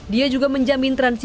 dia juga menjamin transisi